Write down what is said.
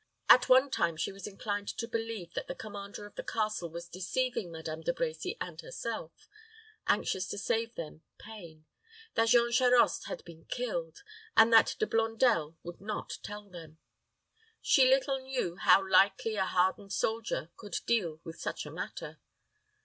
At one time she was inclined to believe that the commander of the castle was deceiving Madame De Brecy and herself, anxious to save them pain that Jean Charost had been killed, and that De Blondel would not tell them. She little knew how lightly a hardened soldier could deal with such a matter.